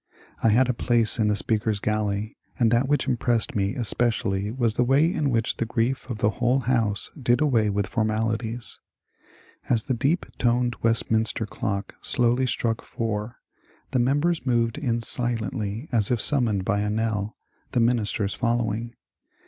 I had a place in the Speaker's gallery, and that which impressed me espe cially was the way in which the grief of the whole House did away with formalities. As the deep toned Westminster clock slowly struck four, the members moved in silently as if sum moned by a knell, the ministers following.